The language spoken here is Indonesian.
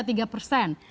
kemudian amerika serikat